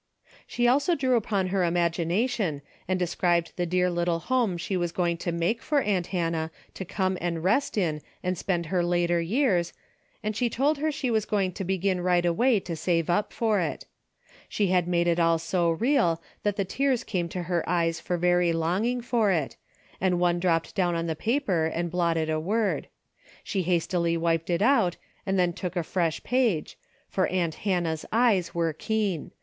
She also drew upon her imagination and de scribed the dear little home she was going to make for aunt Hannah to come and rest in and spend her later years, and she told her she was going to begin right away to save up for it. She made it all so real that the tears came to her eyes for very longing for it, and one dropped down on the paper and blotted a word. She hastily wiped it out, and then took a fresh page, for aunt Hannah's eyes were keen.